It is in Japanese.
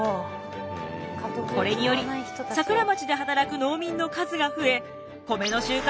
これにより桜町で働く農民の数が増え米の収穫もぐんとアップ！